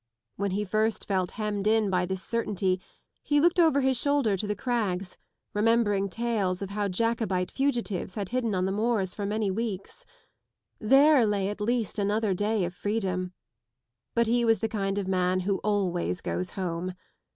When he first felt hemmed in by this certainty he looked over his shoulder to the crags, remembering tales of how Jacobite fugitives had hidden on the moors for many weeks. There lay at least another day of freedom. But he was the kind of man who always goes home.